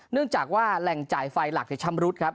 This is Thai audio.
เนื่องจากว่าแหล่งจ่ายไฟหลักชำรุดครับ